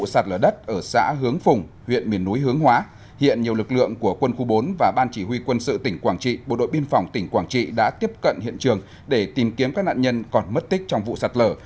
sạt lở đất ở xã hướng phùng huyện miền núi hướng hóa hiện nhiều lực lượng của quân khu bốn và ban chỉ huy quân sự tỉnh quảng trị bộ đội biên phòng tỉnh quảng trị đã tiếp cận hiện trường để tìm kiếm các nạn nhân còn mất tích trong vụ sạt lở